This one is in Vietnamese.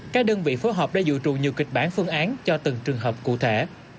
các đơn vị phối hợp đã dự trù nhiều kịch bản phương án cho từng trường hợp cụ thể